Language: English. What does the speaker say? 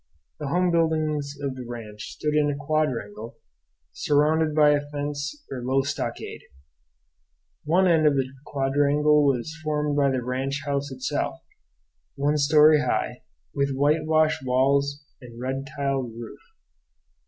The home buildings of the ranch stood in a quadrangle, surrounded by a fence or low stockade. One end of the quadrangle was formed by the ranch house itself, one story high, with whitewashed walls and red tiled roof.